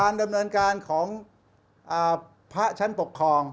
ดำเนินการของพระชั้นปกครอง